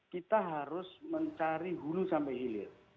kita harus mencari hulu sampai hilir